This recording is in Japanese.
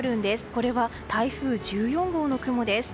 これは台風１４号の雲です。